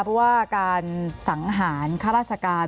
เพราะว่าการสังหารข้าราชการ